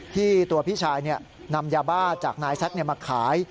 ที่ตัวพี่ชายนำยาบ้าจากนายแซ็กมาขาย